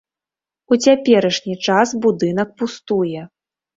У цяперашні час будынак пустуе.